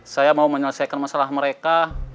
saya mau menyelesaikan masalah mereka